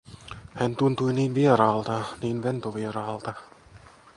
Hän tuntui niin vieraalta, niin ventovieraalta.